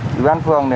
quân an phường để